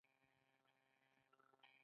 آیا د درملو مافیا ختمه شوه؟